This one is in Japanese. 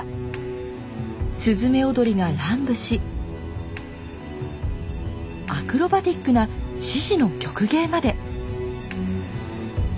雀踊りが乱舞しアクロバティックな獅子の曲芸まで！